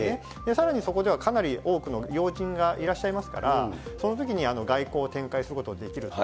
さらにそこではかなりの要人がいらっしゃいますから、そのときに外交を展開することもできると。